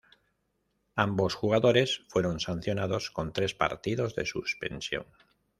Ambos jugadores fueron sancionados con tres partidos de suspensión.